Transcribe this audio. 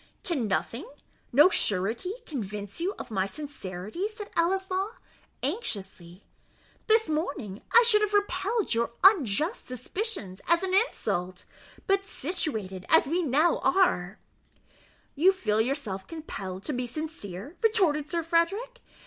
"Can nothing no surety convince you of my sincerity?" said Ellieslaw, anxiously; "this morning I should have repelled your unjust suspicions as an insult; but situated as we now are " "You feel yourself compelled to be sincere?" retorted Sir Frederick.